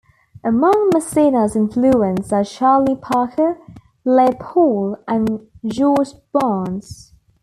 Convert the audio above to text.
Among Messina's influences are Charlie Parker, Les Paul, and George Barnes.